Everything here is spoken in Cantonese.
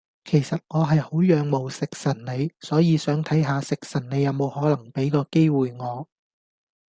其實我係好仰慕食神你，所以想睇嚇食神你有冇可能畀個機會我